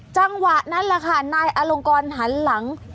จังหวะนั้นแหละค่ะนายอลงกรหันหลัง